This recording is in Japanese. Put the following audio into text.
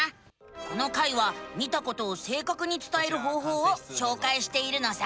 この回は見たことをせいかくにつたえる方法をしょうかいしているのさ。